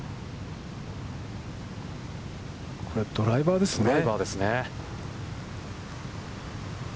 これドライバーですね。